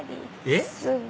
えっ⁉